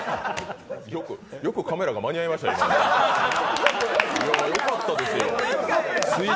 よくカメラが間に合いましたね、よかったですよ。